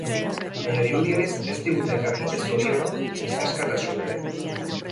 Baina dirudienez ez digute ekarri ez zoriona, ezta askatasuna ere.